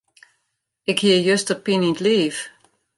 Ik hie juster pine yn 't liif.